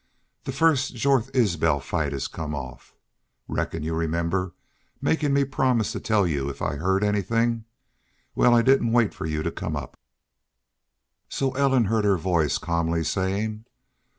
"The first Jorth Isbel fight has come off.... Reckon you remember makin' me promise to tell you if I heerd anythin'. Wal, I didn't wait fer you to come up." "So Ellen heard her voice calmly saying.